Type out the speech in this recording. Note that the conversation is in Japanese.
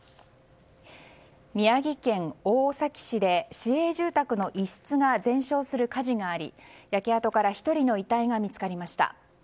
宮城県大崎市で市営住宅の一室が全焼する火事があり焼け跡から１人の遺体が見つかりました。